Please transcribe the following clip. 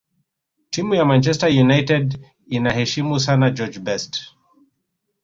timu ya manchester united inamuheshimu sana george best